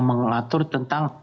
yang mengatur tentang